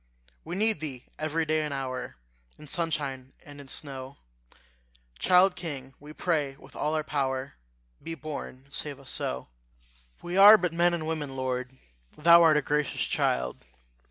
We need thee every day and hour, In sunshine and in snow: Child king, we pray with all our power Be born, and save us so. We are but men and women, Lord; Thou art a gracious child!